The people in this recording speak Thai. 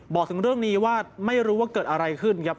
บอกถึงเรื่องนี้ว่าไม่รู้ว่าเกิดอะไรขึ้นครับ